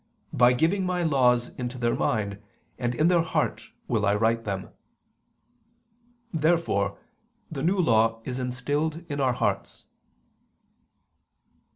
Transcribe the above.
.. by giving [Vulg.: 'I will give'] My laws into their mind, and in their heart will I write them." Therefore the New Law is instilled in our hearts.